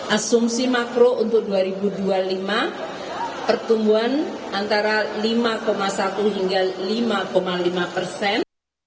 asumsi makro untuk dua ribu dua puluh lima pertumbuhan antara lima satu hingga lima lima persen